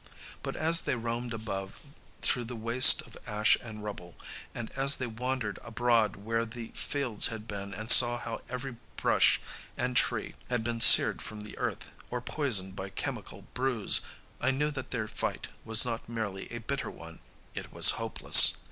But as they roamed above through the waste of ash and rubble, and as they wandered abroad where the fields had been and saw how every brush and tree had been seared from the earth or poisoned by chemical brews, I knew that their fight was not merely a bitter one it was hopeless.